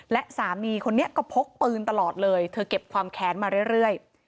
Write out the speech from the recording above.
และสามีคนนี้ก็พกปืนตลอดเลยเธอเก็บความแค้นมาเรื่อย